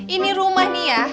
ini rumah nih ya